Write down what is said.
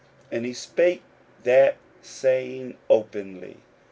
41:008:032 And he spake that saying openly.